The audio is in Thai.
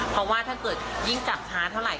เพราะว่าถ้าเกิดยิ่งจับช้าเท่าไห